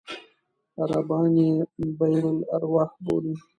عربان یې بئر الأرواح بولي.